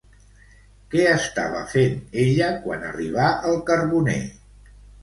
Què estava fent ella quan arribà el carboner?